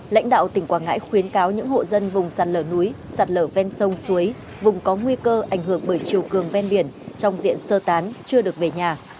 lãnh đạo tỉnh quảng ngãi khuyến cáo những hộ dân vùng sạt lở núi sạt lở ven sông suối vùng có nguy cơ ảnh hưởng bởi chiều cường ven biển trong diện sơ tán chưa được về nhà